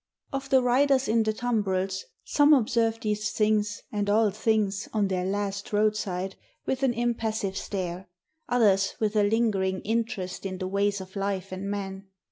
Of the riders in the tumbrels, some observe these things, and all things on their last roadside, with an impassive stare; others with a lingering interest in the ways of life and men.